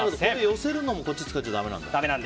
寄せるのも反対の手使っちゃだめなんだ。